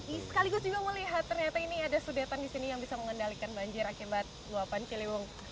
ya sekaligus juga melihat ternyata ini ada sudetan di sini yang bisa mengendalikan banjir akibat luapan ciliwung